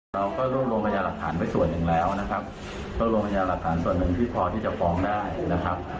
เราก็รวบรวมพยาหลักฐานไปส่วนหนึ่งแล้วนะครับรวบรวมพยานหลักฐานส่วนหนึ่งที่พอที่จะฟ้องได้นะครับ